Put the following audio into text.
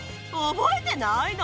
覚えてないの？